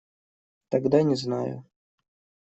Тогда не знаю.